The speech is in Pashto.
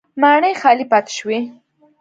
ماڼۍ خالي پاتې شوې.